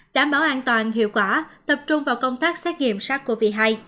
đảm bảo an toàn hiệu quả tập trung vào công tác xét nghiệm sars cov hai